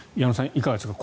いかがですか。